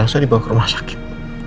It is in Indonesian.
saya dibawa ke rumah sakit